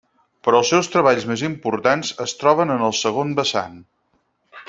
Però els seus treballs més importants es troben en el segon vessant.